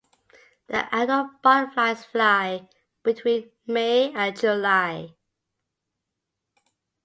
The adult butterflies fly between May and July.